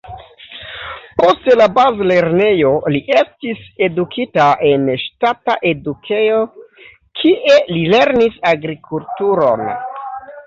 Post la bazlernejo li estis edukita en ŝtata edukejo, kie li lernis agrikulturon.